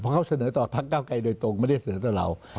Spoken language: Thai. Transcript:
เพราะเขาเสนอต่อพักเก้าไกรโดยตรงไม่ได้เสนอต่อเรา